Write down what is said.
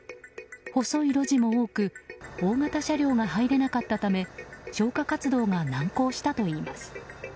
細い路地も多く大型車両が入れなかったため消火活動が難航したといいます。